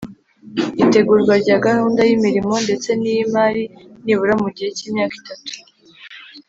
itegurwa rya gahunda y’imirimo ndetse n’iyi mari nibura mu gihe cy’imyaka itatu;